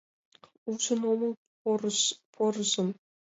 Ужын омыл порыжым.